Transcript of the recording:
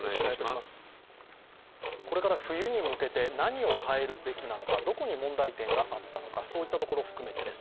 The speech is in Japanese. これから冬に向けて何を変えるべきなのか、どこに問題点があったのか、そういったところ含めてです。